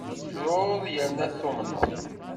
Truḍ yerna tumneḍ.